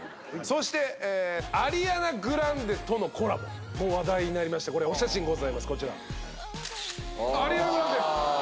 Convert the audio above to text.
そしてアリアナ・グランデとのコラボも話題になりましてこれお写真ございますこちら。